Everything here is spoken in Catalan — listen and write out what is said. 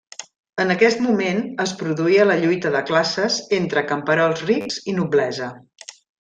En aquest moment es produïa la lluita de classes entre camperols rics i noblesa.